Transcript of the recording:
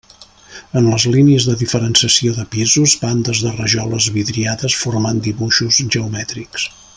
En les línies de diferenciació de pisos, bandes de rajoles vidriades formant dibuixos geomètrics.